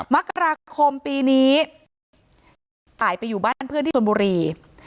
มกราคมปีนี้ตายไปอยู่บ้านเพื่อนที่ชนบุรี